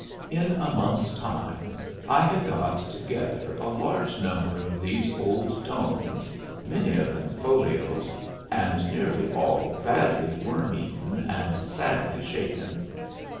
In a month's time I had got together a large number of these old tomes, many of them folios, and nearly all badly worm eaten, and sadly shaken.